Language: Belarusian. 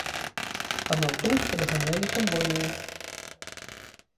А натоўп падганялі канвойныя.